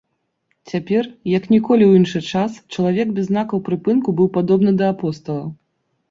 Цяпер, як ніколі ў іншы час, чалавек без знакаў прыпынку быў падобны да апостала.